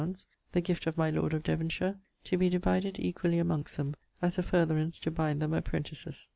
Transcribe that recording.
_ the gift of my lord of Devonshire, to be divided equally amongst them, as a furtherance to bind them apprentices.